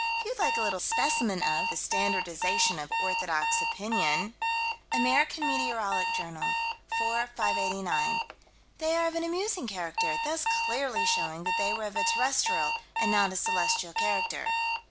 If you'd like a little specimen of the standardization of orthodox opinion Amer. Met. Jour., 4 589: "They are of an amusing character, thus clearly showing that they were of a terrestrial and not a celestial character."